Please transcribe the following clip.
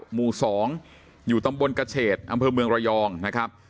หมู่๒อยู่ตำบลกระเฉดอำเภอเมืองระยองนะครับ